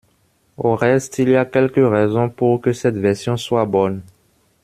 Au reste il y a quelque raison pour que cette version soit bonne.